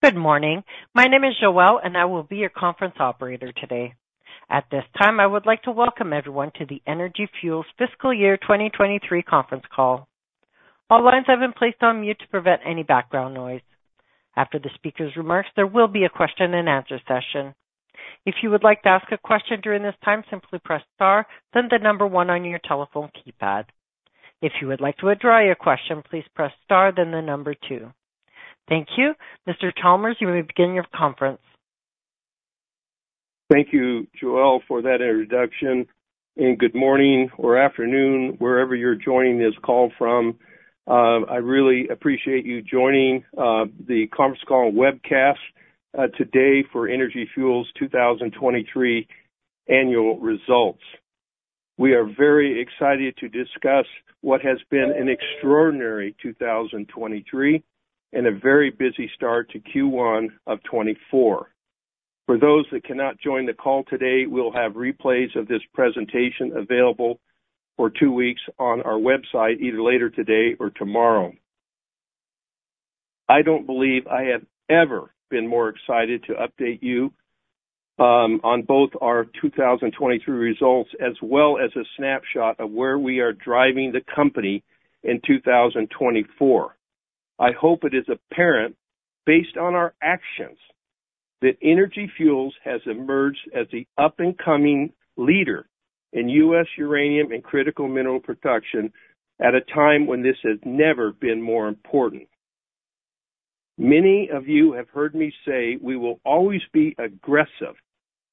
Good morning. My name is Joelle, and I will be your conference operator today. At this time, I would like to welcome everyone to the Energy Fuels Fiscal Year 2023 Conference Call. All lines have been placed on mute to prevent any background noise. After the speaker's remarks, there will be a question-and-answer session. If you would like to ask a question during this time, simply press star, then the number one on your telephone keypad. If you would like to address your question, please press star, then the number two. Thank you. Mr. Chalmers, you may begin your conference. Thank you, Joelle, for that introduction. Good morning or afternoon, wherever you're joining this call from. I really appreciate you joining the conference call and webcast today for Energy Fuels' 2023 annual results. We are very excited to discuss what has been an extraordinary 2023 and a very busy start to Q1 of 2024. For those that cannot join the call today, we'll have replays of this presentation available for two weeks on our website, either later today or tomorrow. I don't believe I have ever been more excited to update you on both our 2023 results as well as a snapshot of where we are driving the company in 2024. I hope it is apparent, based on our actions, that Energy Fuels has emerged as the up-and-coming leader in U.S. uranium and critical mineral production at a time when this has never been more important. Many of you have heard me say we will always be aggressive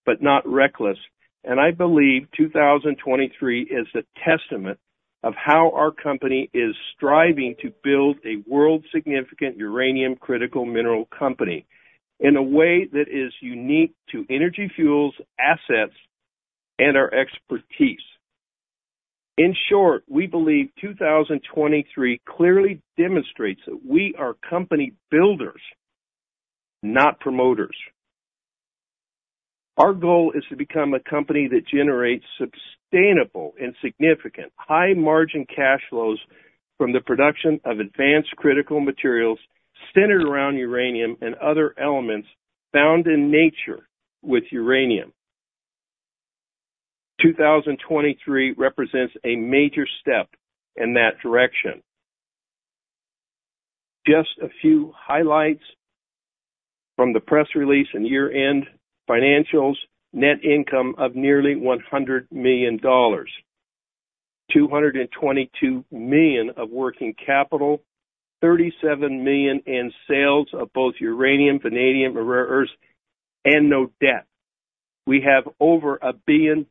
but not reckless, and I believe 2023 is a testament of how our company is striving to build a world-significant uranium-critical mineral company in a way that is unique to Energy Fuels' assets and our expertise. In short, we believe 2023 clearly demonstrates that we are company builders, not promoters. Our goal is to become a company that generates sustainable and significant, high-margin cash flows from the production of advanced critical materials centered around uranium and other elements found in nature with uranium. 2023 represents a major step in that direction. Just a few highlights from the press release and year-end financials: net income of nearly $100 million, $222 million of working capital, $37 million in sales of both uranium, vanadium, and rare earths, and no debt. We have over $1 billion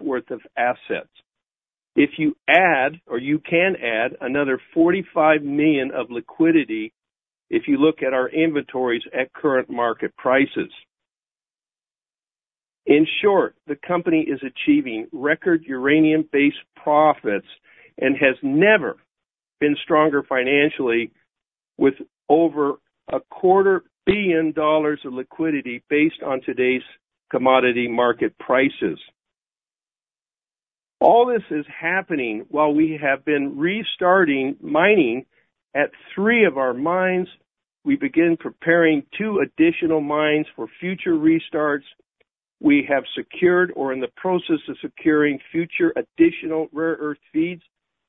worth of assets. If you add, or you can add, another $45 million of liquidity if you look at our inventories at current market prices. In short, the company is achieving record uranium-based profits and has never been stronger financially with over $250 million of liquidity based on today's commodity market prices. All this is happening while we have been restarting mining. At three of our mines, we began preparing two additional mines for future restarts. We have secured or in the process of securing future additional rare earth feeds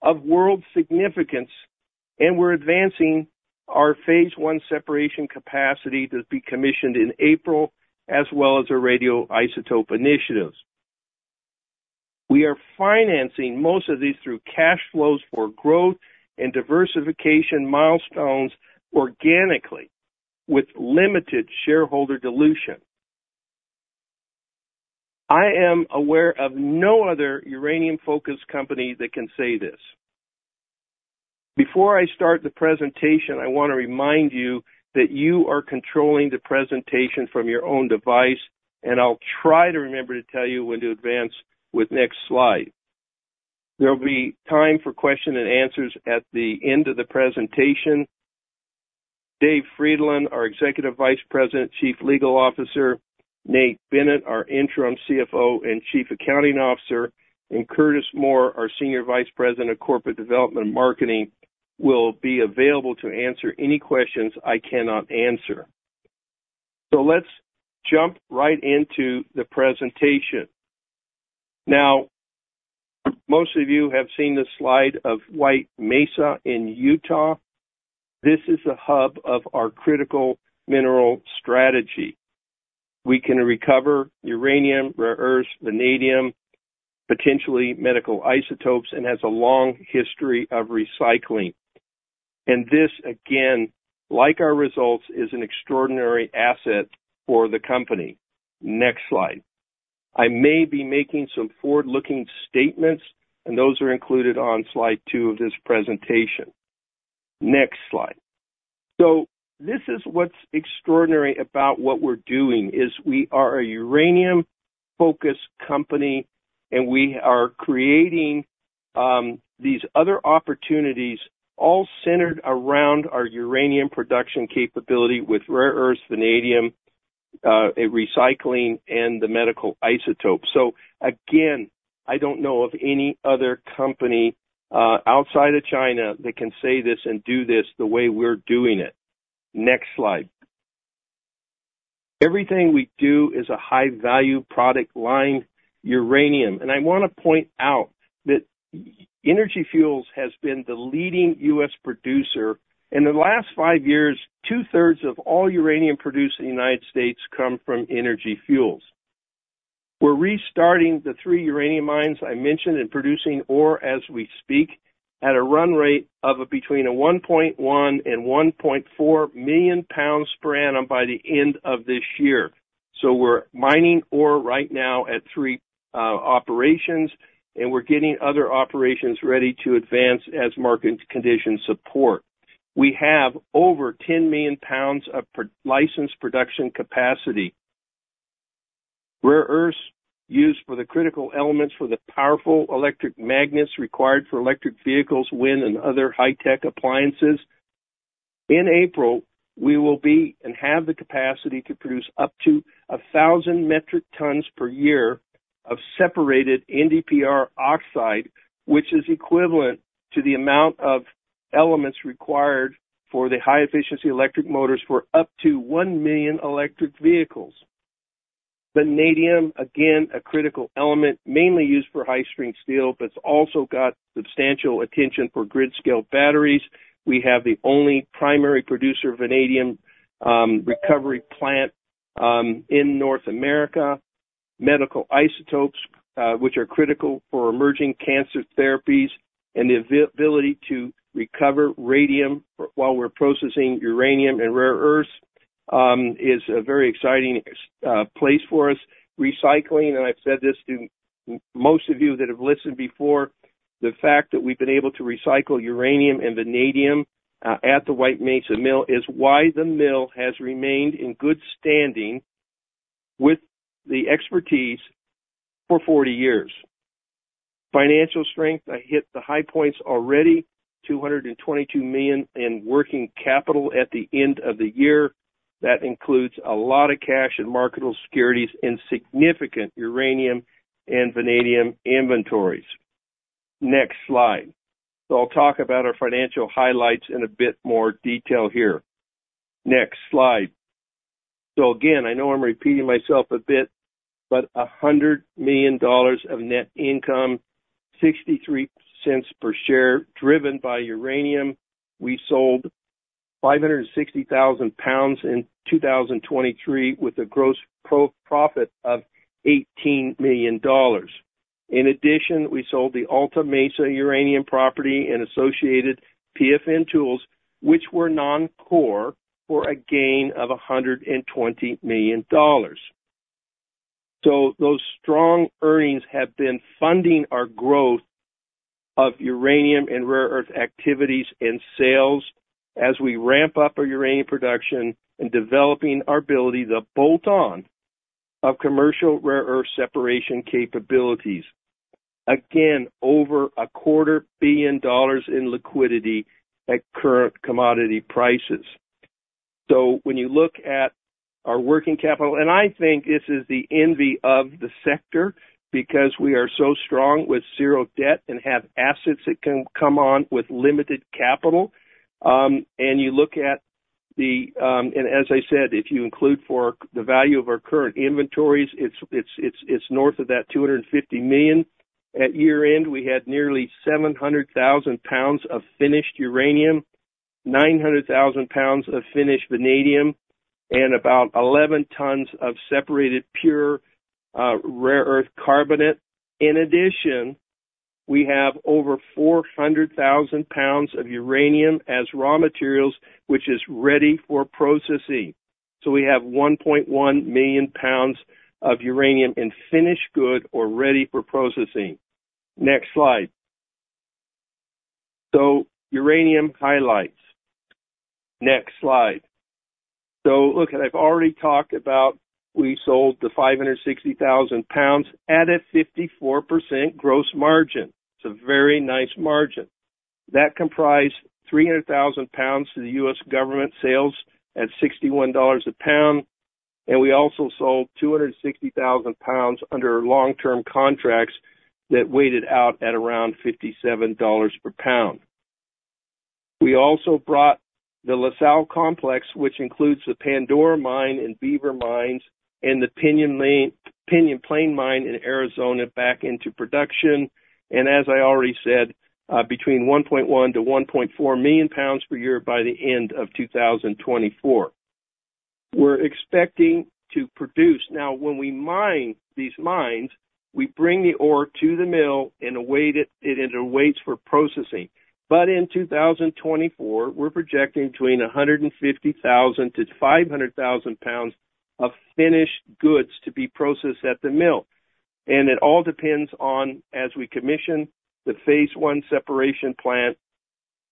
of world significance, and we're advancing our phase one separation capacity to be commissioned in April as well as our radioisotope initiatives. We are financing most of these through cash flows for growth and diversification milestones organically with limited shareholder dilution. I am aware of no other uranium-focused company that can say this. Before I start the presentation, I want to remind you that you are controlling the presentation from your own device, and I'll try to remember to tell you when to advance with next slide. There'll be time for question and answers at the end of the presentation. David Frydenlund, our Executive Vice President, Chief Legal Officer; Nate Bennett, our interim CFO and Chief Accounting Officer; and Curtis Moore, our Senior Vice President of Corporate Development and Marketing, will be available to answer any questions I cannot answer. So let's jump right into the presentation. Now, most of you have seen this slide of White Mesa in Utah. This is the hub of our critical mineral strategy. We can recover uranium, rare earths, vanadium, potentially medical isotopes, and has a long history of recycling. And this, again, like our results, is an extraordinary asset for the company. Next slide. I may be making some forward-looking statements, and those are included on slide 2 of this presentation. Next slide. This is what's extraordinary about what we're doing: we are a uranium-focused company, and we are creating, these other opportunities all centered around our uranium production capability with rare earths, vanadium, recycling, and the medical isotopes. Again, I don't know of any other company, outside of China that can say this and do this the way we're doing it. Next slide. Everything we do is a high-value product line, uranium. I want to point out that Energy Fuels has been the leading U.S. producer. In the last 5 years, two-thirds of all uranium produced in the United States come from Energy Fuels. We're restarting the three uranium mines I mentioned and producing ore as we speak at a run rate of between $1.1 and $1.4 million per annum by the end of this year. So we're mining ore right now at three operations, and we're getting other operations ready to advance as market conditions support. We have over $10 million of licensed production capacity. Rare earths used for the critical elements for the powerful electric magnets required for electric vehicles, wind, and other high-tech appliances. In April, we will be and have the capacity to produce up to 1,000 metric tons per year of separated NdPr oxide, which is equivalent to the amount of elements required for the high-efficiency electric motors for up to 1 million electric vehicles. Vanadium, again, a critical element mainly used for high-strength steel, but it's also got substantial attention for grid-scale batteries. We have the only primary producer of vanadium, recovery plant, in North America. Medical isotopes, which are critical for emerging cancer therapies and the ability to recover radium while we're processing uranium and rare earths, is a very exciting place for us. Recycling, and I've said this to most of you that have listened before, the fact that we've been able to recycle uranium and vanadium at the White Mesa Mill is why the mill has remained in good standing with the expertise for 40 years. Financial strength: I hit the high points already, $222 million in working capital at the end of the year. That includes a lot of cash and marketable securities and significant uranium and vanadium inventories. Next slide. So I'll talk about our financial highlights in a bit more detail here. Next slide. So again, I know I'm repeating myself a bit, but $100 million of net income, $0.63 per share, driven by uranium. We sold 560,000 lbs in 2023 with a gross profit of $18 million. In addition, we sold the Alta Mesa uranium property and associated PFN tools, which were non-core, for a gain of $120 million. So those strong earnings have been funding our growth of uranium and rare earth activities and sales as we ramp up our uranium production and developing our ability, the bolt-on, of commercial rare earth separation capabilities. Again, over $250 million in liquidity at current commodity prices. So when you look at our working capital, and I think this is the envy of the sector because we are so strong with zero debt and have assets that can come on with limited capital, and you look at the, and as I said, if you include for the value of our current inventories, it's north of $250 million. At year-end, we had nearly 700,000 lbs of finished uranium, 900,000 lbs of finished vanadium, and about 11 tons of separated pure rare earth carbonate. In addition, we have over 400,000 lbs of uranium as raw materials, which is ready for processing. So we have $1.1 million of uranium in finished good or ready for processing. Next slide. So uranium highlights. Next slide. So look, I've already talked about we sold the 560,000 lbs at a 54% gross margin. It's a very nice margin. That comprised 300,000 lbs to the U.S. government sales at $61 a pound, and we also sold 260,000 lbs under long-term contracts that weighed out at around $57 per lbs. We also brought the La Sal Complex, which includes the Pandora Mine and Beaver Mine and the Pinyon Plain Mine in Arizona, back into production. As I already said, between 1.1 million lbs-1.4 million lbs per year by the end of 2024. We're expecting to produce—now, when we mine these mines, we bring the ore to the mill and weigh it, and it awaits for processing. But in 2024, we're projecting between 150,000 lbs-500,000 lbs of finished goods to be processed at the mill. And it all depends on, as we commission the phase one separation plant,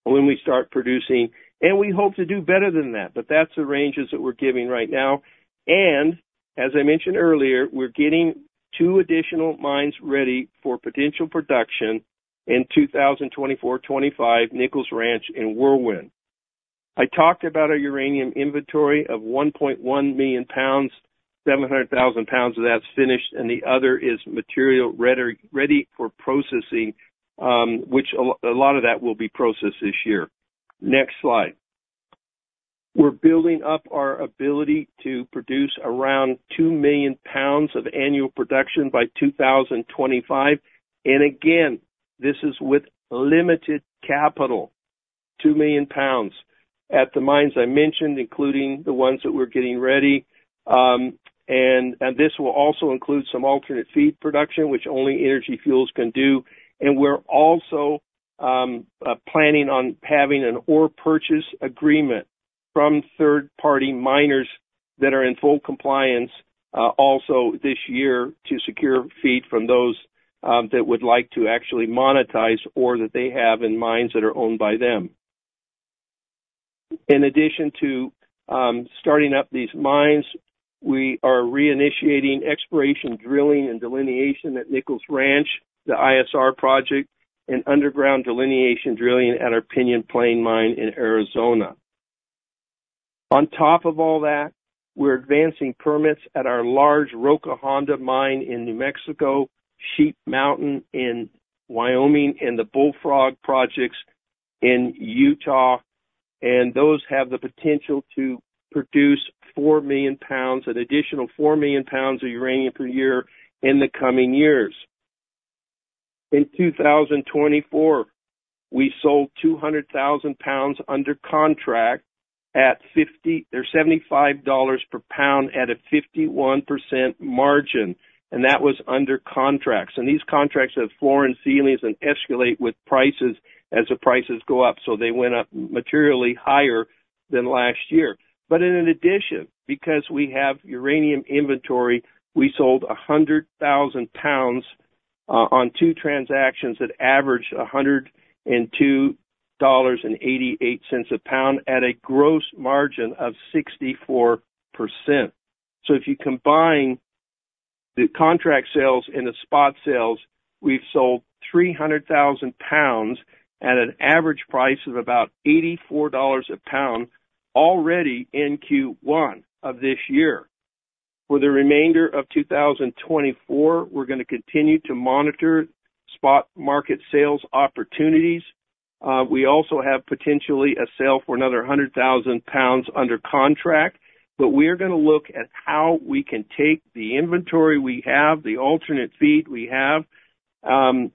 when we start producing. And we hope to do better than that, but that's the ranges that we're giving right now. As I mentioned earlier, we're getting two additional mines ready for potential production in 2024/25: Nichols Ranch and Whirlwind. I talked about our uranium inventory of 1.1 million lbs, 700,000 lbs of that's finished, and the other is material ready for processing, which a lot of that will be processed this year. Next slide. We're building up our ability to produce around 2 million lbs of annual production by 2025. And again, this is with limited capital, 2 million lbs at the mines I mentioned, including the ones that we're getting ready, and this will also include some alternate feed production, which only Energy Fuels can do. And we're also planning on having an ore purchase agreement from third-party miners that are in full compliance, also this year to secure feed from those that would like to actually monetize ore that they have in mines that are owned by them. In addition to starting up these mines, we are reinitiating exploration, drilling, and delineation at Nichols Ranch, the ISR project, and underground delineation drilling at our Pinyon Plain Mine in Arizona. On top of all that, we're advancing permits at our large Roca Honda Mine in New Mexico, Sheep Mountain in Wyoming, and the Bullfrog Project in Utah. And those have the potential to produce 4 million lbs, an additional 4 million lbs of uranium per year in the coming years. In 2024, we sold 200,000 lbs under contract at $50 or $75 per pound at a 51% margin, and that was under contracts. And these contracts have floor and ceilings and escalate with prices as the prices go up. So they went up materially higher than last year. But in addition, because we have uranium inventory, we sold 100,000 lbs on two transactions that averaged $102.88 a pound at a gross margin of 64%. So if you combine the contract sales and the spot sales, we've sold 300,000 lbs at an average price of about $84 a pound already in Q1 of this year. For the remainder of 2024, we're going to continue to monitor spot market sales opportunities. We also have potentially a sale for another 100,000 lbs under contract, but we are going to look at how we can take the inventory we have, the alternate feed we have, and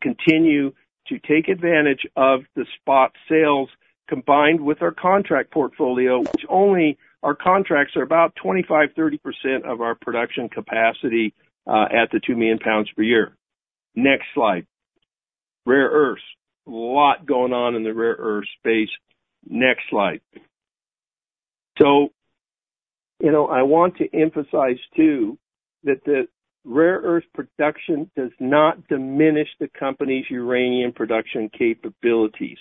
continue to take advantage of the spot sales combined with our contract portfolio, which only our contracts are about 25%-30% of our production capacity, at the 2 million lbs per year. Next slide. Rare earths. Lots going on in the rare earth space. Next slide. So, you know, I want to emphasize too that the rare earth production does not diminish the company's uranium production capabilities.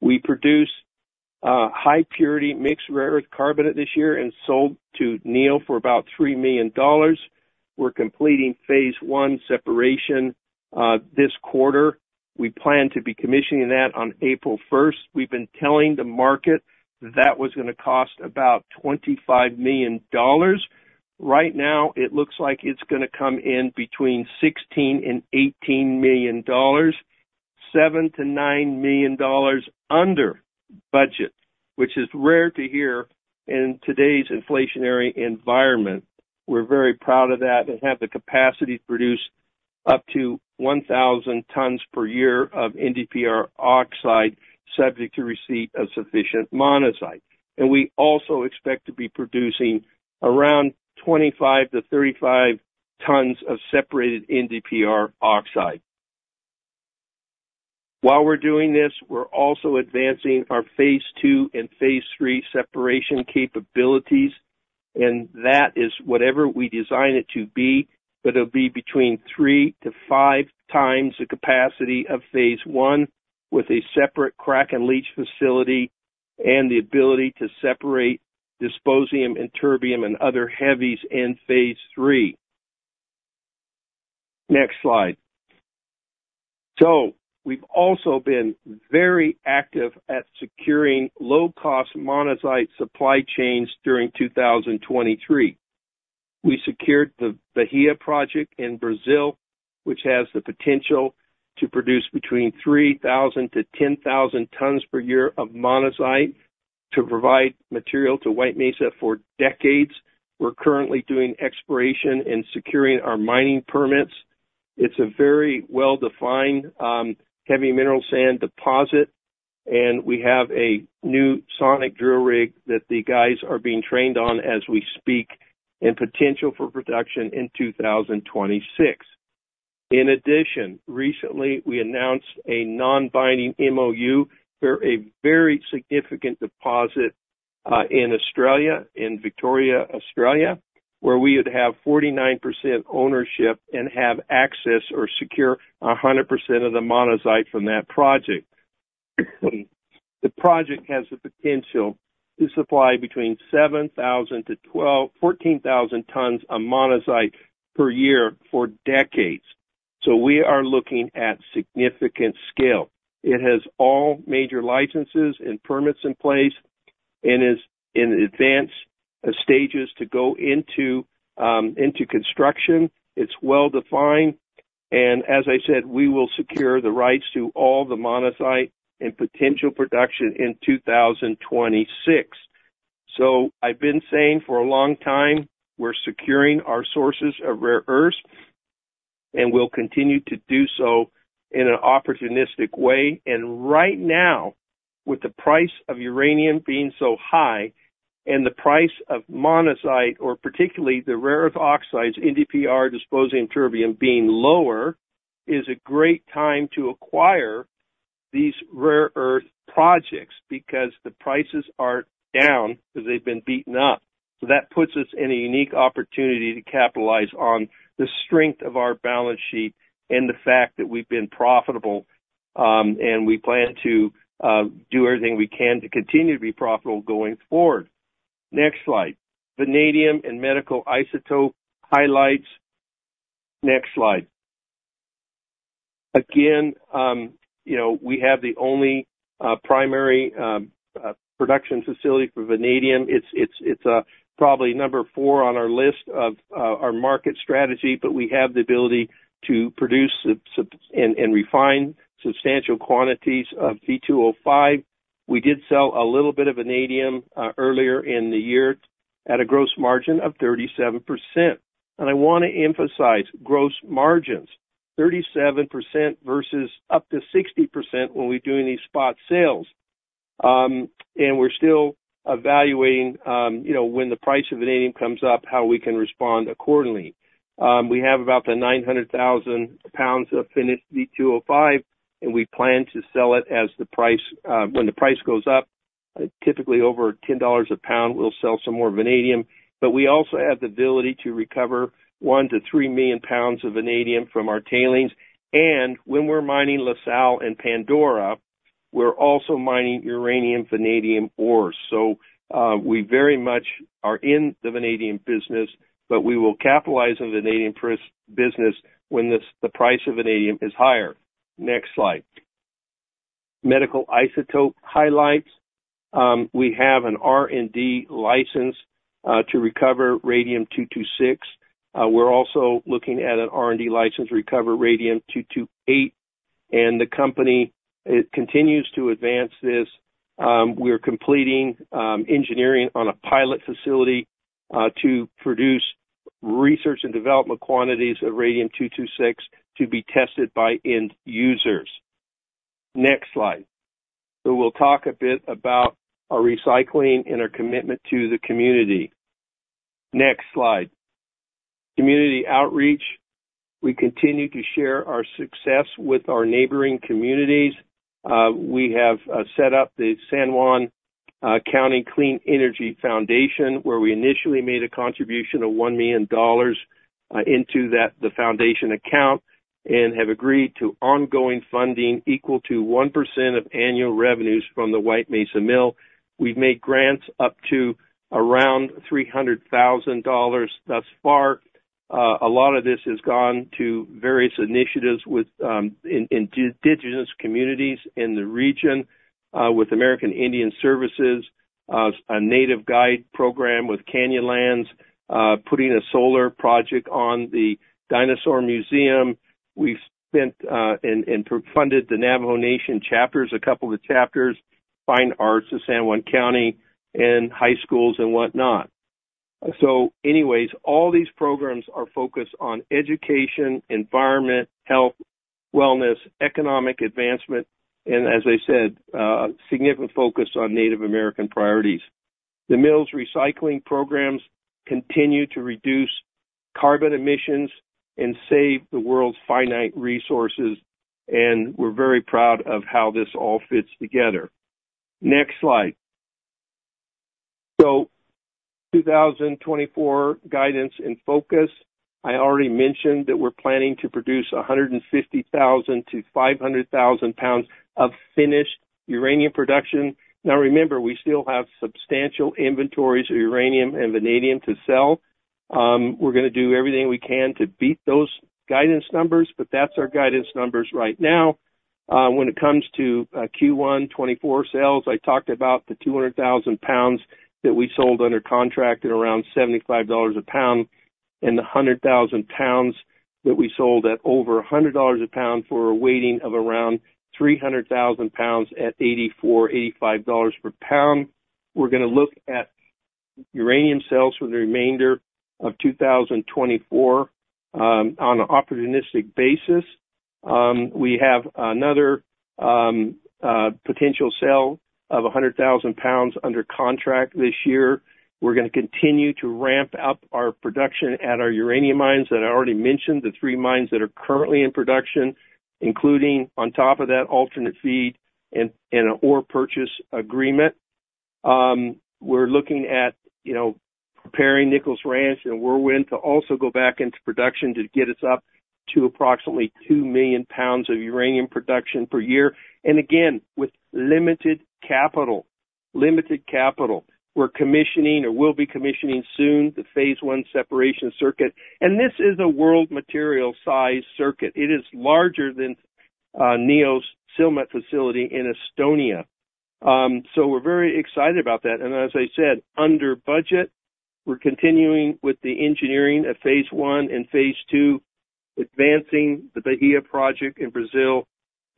We produce high purity mixed rare earth carbonate this year and sold to Neo for about $3 million. We're completing phase one separation this quarter. We plan to be commissioning that on April 1st. We've been telling the market that that was going to cost about $25 million. Right now, it looks like it's going to come in between $16 and $18 million, $7 million-$9 million under budget, which is rare to hear in today's inflationary environment. We're very proud of that and have the capacity to produce up to 1,000 tons per year of NdPr oxide subject to receipt of sufficient monazite. And we also expect to be producing around 25-35 tons of separated NdPr oxide. While we're doing this, we're also advancing our phase two and phase three separation capabilities. And that is whatever we design it to be, but it'll be between 3-5 times the capacity of phase one with a separate crack and leach facility and the ability to separate dysprosium and terbium and other heavies in phase three. Next slide. So we've also been very active at securing low-cost monazite supply chains during 2023. We secured the Bahia Project in Brazil, which has the potential to produce between 3,000-10,000 tons per year of monazite to provide material to White Mesa for decades. We're currently doing exploration and securing our mining permits. It's a very well-defined, heavy mineral sand deposit, and we have a new sonic drill rig that the guys are being trained on as we speak and potential for production in 2026. In addition, recently, we announced a non-binding MOU for a very significant deposit, in Australia, in Victoria, Australia, where we would have 49% ownership and have access or secure 100% of the monazite from that project. The project has the potential to supply between 7,000-14,000 tons of monazite per year for decades. So we are looking at significant scale. It has all major licenses and permits in place and is in advanced stages to go into construction. It's well-defined. And as I said, we will secure the rights to all the monazite and potential production in 2026. So I've been saying for a long time, we're securing our sources of rare earths, and we'll continue to do so in an opportunistic way. Right now, with the price of uranium being so high and the price of monazite, or particularly the rare earth oxides, NdPr, dysprosium, terbium being lower, is a great time to acquire these rare earth projects because the prices are down because they've been beaten up. So that puts us in a unique opportunity to capitalize on the strength of our balance sheet and the fact that we've been profitable, and we plan to do everything we can to continue to be profitable going forward. Next slide. Vanadium and medical isotope highlights. Next slide. Again, you know, we have the only primary production facility for vanadium. It's probably number 4 on our list of our market strategy, but we have the ability to produce and refine substantial quantities of V₂O₅. We did sell a little bit of vanadium earlier in the year at a gross margin of 37%. I want to emphasize gross margins, 37% versus up to 60% when we're doing these spot sales. We're still evaluating, you know, when the price of vanadium comes up, how we can respond accordingly. We have about 900,000 lb of finished V₂O₅, and we plan to sell it as the price, when the price goes up, typically over $10 a pound, we'll sell some more vanadium. But we also have the ability to recover 1-3 million lb of vanadium from our tailings. When we're mining La Sal and Pandora, we're also mining uranium vanadium ore. So, we very much are in the vanadium business, but we will capitalize on the vanadium business when the price of vanadium is higher. Next slide. Medical isotope highlights. We have an R&D license to recover radium-226. We're also looking at an R&D license to recover radium-228, and the company, it continues to advance this. We're completing engineering on a pilot facility to produce research and development quantities of radium-226 to be tested by end users. Next slide. So we'll talk a bit about our recycling and our commitment to the community. Next slide. Community outreach. We continue to share our success with our neighboring communities. We have set up the San Juan County Clean Energy Foundation, where we initially made a contribution of $1 million into that foundation account and have agreed to ongoing funding equal to 1% of annual revenues from the White Mesa Mill. We've made grants up to around $300,000 thus far. A lot of this has gone to various initiatives with, in indigenous communities in the region, with American Indian Services, a Native Guide Program with Canyonlands, putting a solar project on the Dinosaur Museum. We've spent, and, and funded the Navajo Nation chapters, a couple of the chapters, fine arts of San Juan County in high schools and whatnot. So anyways, all these programs are focused on education, environment, health, wellness, economic advancement, and as I said, significant focus on Native American priorities. The mill's recycling programs continue to reduce carbon emissions and save the world's finite resources, and we're very proud of how this all fits together. Next slide. So 2024 guidance and focus. I already mentioned that we're planning to produce 150,000 lbs-500,000 lbs of finished uranium production. Now, remember, we still have substantial inventories of uranium and vanadium to sell. We're going to do everything we can to beat those guidance numbers, but that's our guidance numbers right now. When it comes to Q1 2024 sales, I talked about the 200,000 lbs that we sold under contract at around $75 a pound and the 100,000 lbs that we sold at over $100 a pound for a weighting of around 300,000 lbs at $84-$85 per lbs. We're going to look at uranium sales for the remainder of 2024 on an opportunistic basis. We have another potential sale of 100,000 lbs under contract this year. We're going to continue to ramp up our production at our uranium mines that I already mentioned, the three mines that are currently in production, including on top of that alternate feed and an ore purchase agreement. We're looking at, you know, preparing Nichols Ranch and Whirlwind to also go back into production to get us up to approximately 2 million pounds of uranium production per year. Again, with limited capital, limited capital, we're commissioning or will be commissioning soon the Phase 1 separation circuit. And this is a world material size circuit. It is larger than Neo's Silmet facility in Estonia, so we're very excited about that. And as I said, under budget, we're continuing with the engineering of Phase 1 and Phase 2, advancing the Bahia project in Brazil,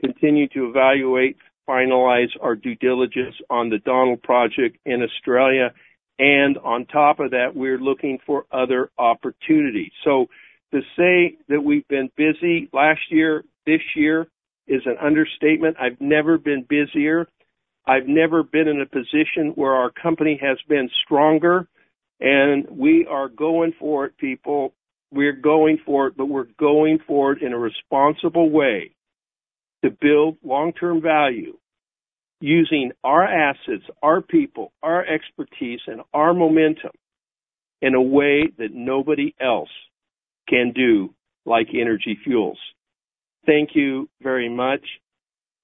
continue to evaluate, finalize our due diligence on the Donald Project in Australia. And on top of that, we're looking for other opportunities. So to say that we've been busy last year, this year is an understatement. I've never been busier. I've never been in a position where our company has been stronger. We are going for it, people. We're going for it, but we're going for it in a responsible way to build long-term value using our assets, our people, our expertise, and our momentum in a way that nobody else can do like Energy Fuels. Thank you very much.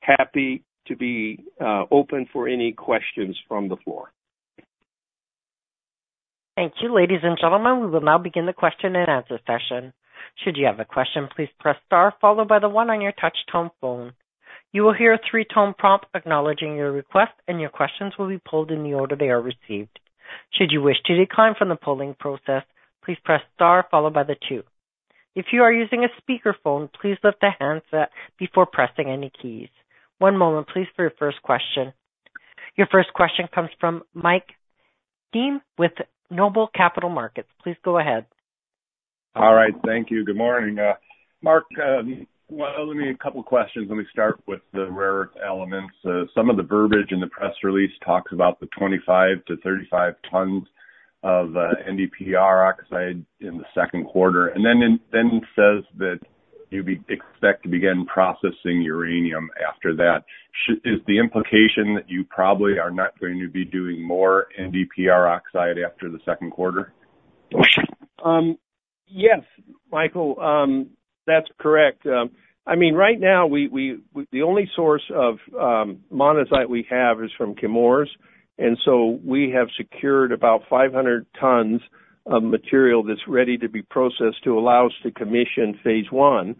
Happy to be open for any questions from the floor. Thank you, ladies and gentlemen. We will now begin the question and answer session. Should you have a question, please press star, followed by the one on your touch tone phone. You will hear a three-tone prompt acknowledging your request, and your questions will be pulled in the order they are received. Should you wish to decline from the polling process, please press star, followed by the two. If you are using a speakerphone, please lift the handset before pressing any keys. One moment, please, for your first question. Your first question comes from Mike Heim with Noble Capital Markets. Please go ahead. All right. Thank you. Good morning. Mark, well, let me ask a couple of questions. Let me start with the rare earth elements. Some of the verbiage in the press release talks about the 25-35 tons of NdPr oxide in the second quarter and then it says that you expect to begin processing uranium after that. Is the implication that you probably are not going to be doing more NdPr oxide after the second quarter? Yes, Michael. That's correct. I mean, right now, we're the only source of monazite we have is from Chemours. And so we have secured about 500 tons of material that's ready to be processed to allow us to commission phase one.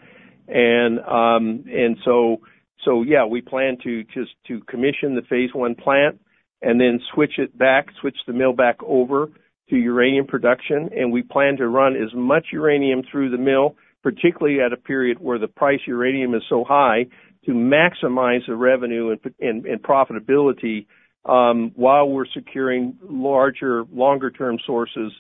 So yeah, we plan to just commission the phase one plant and then switch the mill back over to uranium production. We plan to run as much uranium through the mill, particularly at a period where the price of uranium is so high, to maximize the revenue and profitability, while we're securing larger, longer-term sources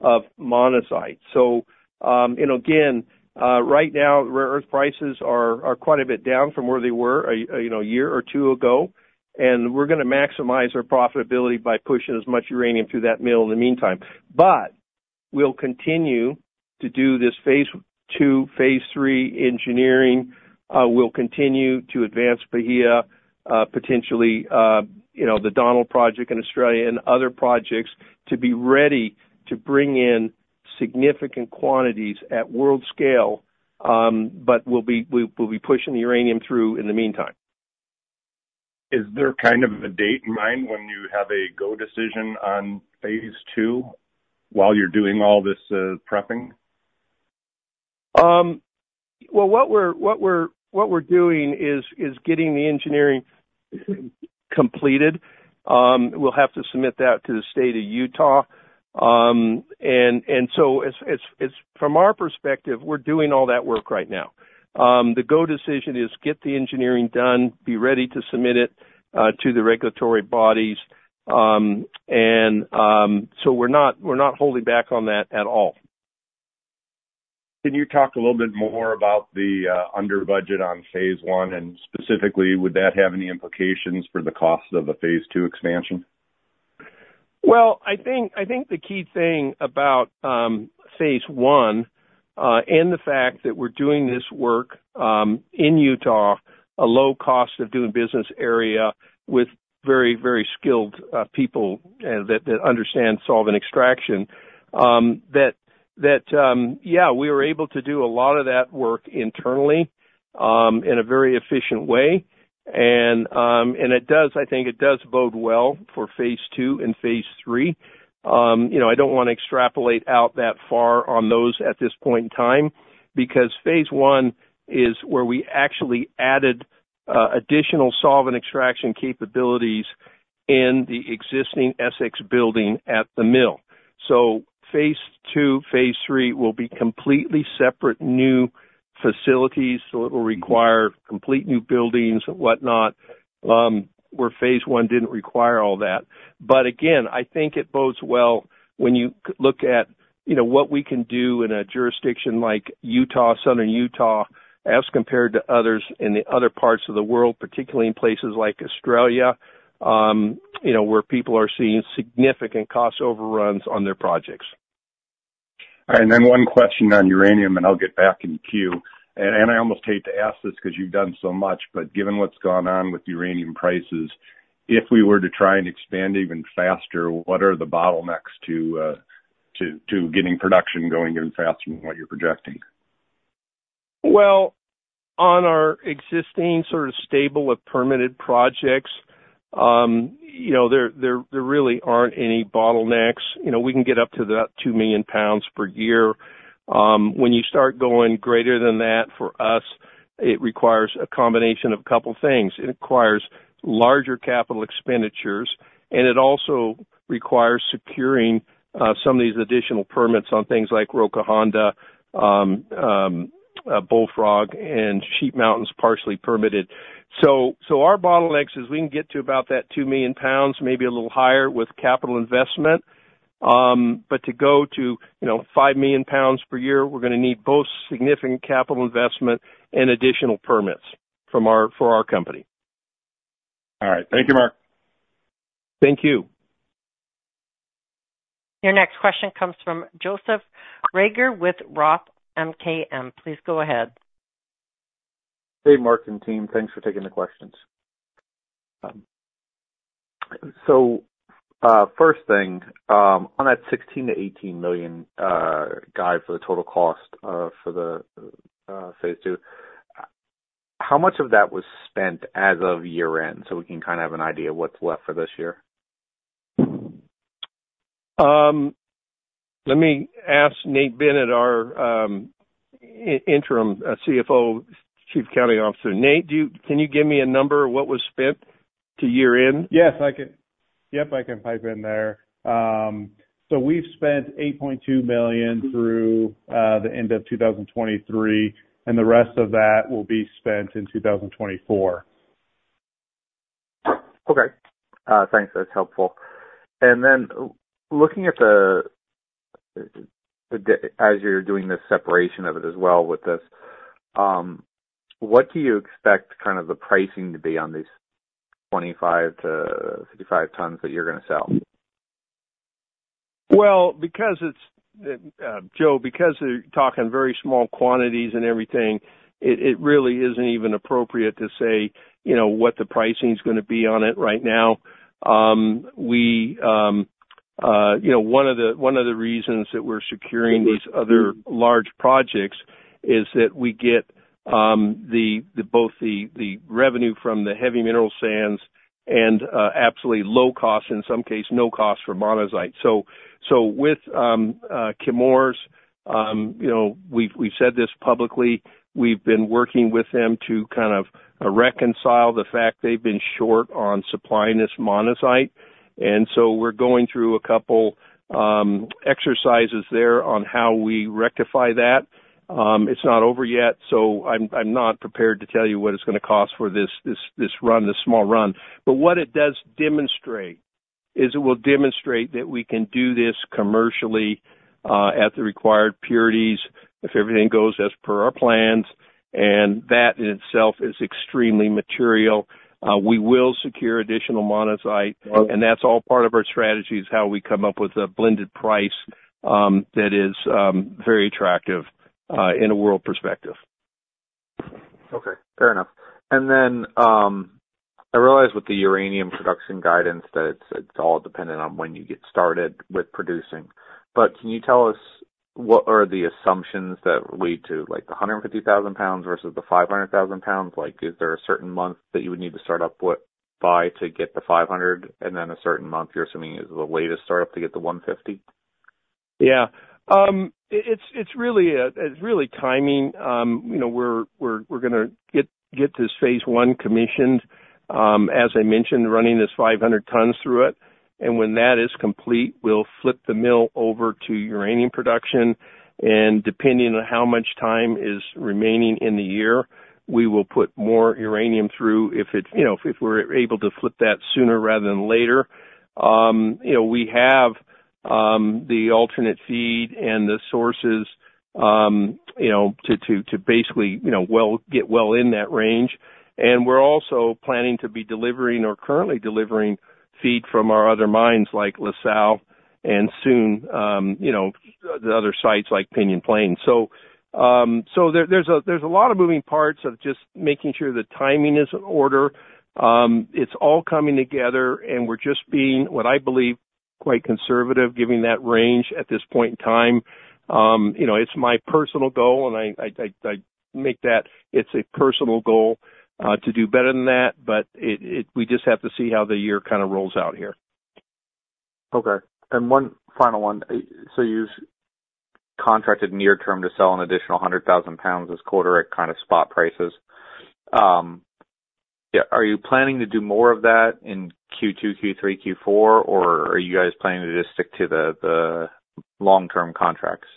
of monazite. So again, right now, rare earth prices are quite a bit down from where they were, you know, a year or two ago. We're going to maximize our profitability by pushing as much uranium through that mill in the meantime. But we'll continue to do this phase two, phase three engineering. We'll continue to advance Bahia, potentially, you know, the Donald Project in Australia and other projects to be ready to bring in significant quantities at world scale, but we'll be pushing the uranium through in the meantime. Is there kind of a date in mind when you have a go decision on phase two while you're doing all this, prepping? Well, what we're doing is getting the engineering completed. We'll have to submit that to the state of Utah. And so it's, from our perspective, we're doing all that work right now. The go decision is get the engineering done, be ready to submit it to the regulatory bodies. And so we're not holding back on that at all. Can you talk a little bit more about the under budget on phase one? And specifically, would that have any implications for the cost of a phase two expansion? Well, I think I think the key thing about phase one and the fact that we're doing this work in Utah, a low cost of doing business area with very, very skilled people that understand solvent extraction, yeah, we were able to do a lot of that work internally in a very efficient way. And it does, I think it does, bode well for phase two and phase three. You know, I don't want to extrapolate out that far on those at this point in time because phase one is where we actually added additional solvent extraction capabilities in the existing SX building at the mill. So phase two, phase three will be completely separate new facilities, so it will require complete new buildings and whatnot, where phase one didn't require all that. But again, I think it bodes well when you look at, you know, what we can do in a jurisdiction like Utah, Southern Utah, as compared to others in the other parts of the world, particularly in places like Australia, you know, where people are seeing significant cost overruns on their projects. All right. And then one question on uranium, and I'll get back in queue. And I almost hate to ask this because you've done so much, but given what's gone on with uranium prices, if we were to try and expand even faster, what are the bottlenecks to getting production going even faster than what you're projecting? Well, on our existing sort of stable with permitted projects, you know, there really aren't any bottlenecks. You know, we can get up to about 2 million lbs per year. When you start going greater than that for us, it requires a combination of a couple of things. It requires larger capital expenditures, and it also requires securing some of these additional permits on things like Roca Honda, Bullfrog and Sheep Mountain partially permitted. So our bottlenecks is we can get to about that 2 million lbs, maybe a little higher with capital investment. But to go to, you know, 5 million lbs per year, we're going to need both significant capital investment and additional permits for our company. All right. Thank you, Mark. Thank you. Your next question comes from Joseph Reagor with Roth MKM. Please go ahead. Hey, Mark and team. Thanks for taking the questions. So, first thing, on that $16 million-$18 million guide for the total cost for the phase two, how much of that was spent as of year-end so we can kind of have an idea of what's left for this year? Let me ask Nate Bennett, our interim CFO, Chief Accounting Officer. Nate, can you give me a number of what was spent to year-end? Yes, I can. Yep, I can pipe in there. So we've spent $8.2 million through the end of 2023, and the rest of that will be spent in 2024. Okay. Thanks. That's helpful. And then looking at the Dy as you're doing this separation of it as well with this, what do you expect kind of the pricing to be on these 25-55 tons that you're going to sell? Well, because it's Joe, because you're talking very small quantities and everything, it really isn't even appropriate to say, you know, what the pricing's going to be on it right now. We, you know, one of the reasons that we're securing these other large projects is that we get both the revenue from the heavy mineral sands and absolutely low cost, in some cases, no cost for monazite. So with Chemours, you know, we've said this publicly. We've been working with them to kind of reconcile the fact they've been short on supplying this monazite. And so we're going through a couple exercises there on how we rectify that. It's not over yet, so I'm not prepared to tell you what it's going to cost for this small run. But what it does demonstrate is it will demonstrate that we can do this commercially, at the required purities if everything goes as per our plans. And that in itself is extremely material. We will secure additional monazite, and that's all part of our strategy is how we come up with a blended price, that is, very attractive, in a world perspective. Okay. Fair enough. And then, I realize with the uranium production guidance that it's all dependent on when you get started with producing. But can you tell us what are the assumptions that lead to, like, the 150,000 lbs versus the 500,000 lbs? Like, is there a certain month that you would need to start up with by to get the 500,000 lbs, and then a certain month you're assuming is the latest startup to get the 150,000 lbs? Yeah. It's really timing. You know, we're going to get this phase one commissioned, as I mentioned, running this 500 tons through it. And when that is complete, we'll flip the mill over to uranium production. And depending on how much time is remaining in the year, we will put more uranium through if it's, you know, if we're able to flip that sooner rather than later. You know, we have the alternate feed and the sources, you know, to basically, you know, we'll get well in that range. And we're also planning to be delivering or currently delivering feed from our other mines like La Sal and soon, you know, the other sites like Pinyon Plain. So, there, there's a lot of moving parts of just making sure the timing is in order. It's all coming together, and we're just being what I believe quite conservative giving that range at this point in time. You know, it's my personal goal, and I make that it's a personal goal, to do better than that. But we just have to see how the year kind of rolls out here. Okay. One final one. So you've contracted near-term to sell an additional 100,000 lbs this quarter at kind of spot prices. Yeah, are you planning to do more of that in Q2, Q3, Q4, or are you guys planning to just stick to the long-term contracts?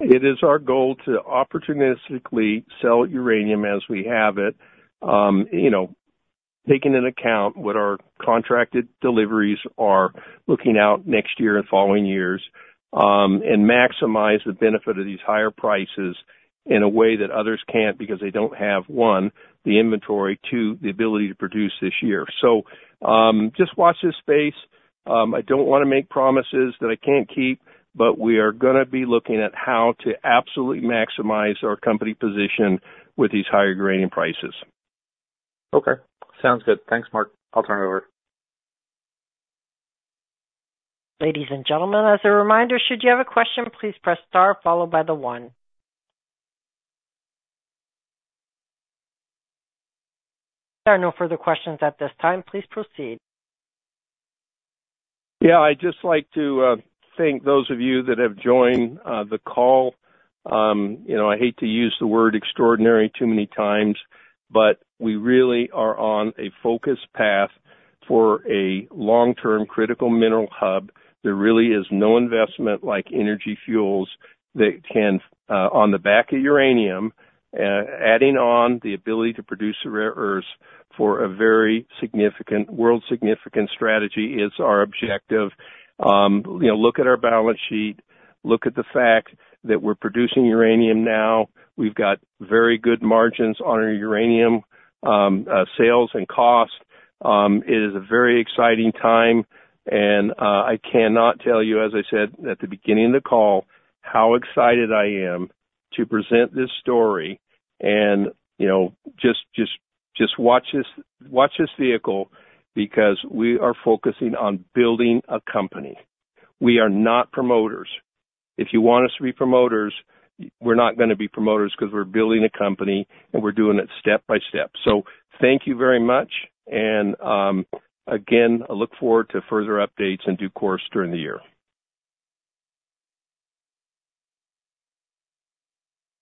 It is our goal to opportunistically sell uranium as we have it, you know, taking into account what our contracted deliveries are looking out next year and following years, and maximize the benefit of these higher prices in a way that others can't because they don't have, one, the inventory, two, the ability to produce this year. So, just watch this space. I don't want to make promises that I can't keep, but we are going to be looking at how to absolutely maximize our company position with these higher uranium prices. Okay. Sounds good. Thanks, Mark. I'll turn it over. Ladies and gentlemen, as a reminder, should you have a question, please press star followed by the one. There are no further questions at this time. Please proceed. Yeah, I'd just like to thank those of you that have joined the call. You know, I hate to use the word extraordinary too many times, but we really are on a focused path for a long-term critical mineral hub. There really is no investment like Energy Fuels that can on the back of uranium, adding on the ability to produce the rare earths for a very significant world-significant strategy is our objective. You know, look at our balance sheet. Look at the fact that we're producing uranium now. We've got very good margins on our uranium, sales and cost. It is a very exciting time. I cannot tell you, as I said at the beginning of the call, how excited I am to present this story. You know, just watch this vehicle because we are focusing on building a company. We are not promoters. If you want us to be promoters, we're not going to be promoters because we're building a company, and we're doing it step by step. Thank you very much. Again, I look forward to further updates and due course during the year.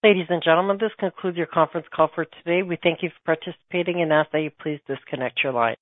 Ladies and gentlemen, this concludes your conference call for today. We thank you for participating and ask that you please disconnect your line.